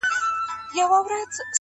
د چا د زړه ازار يې په څو واره دی اخيستی.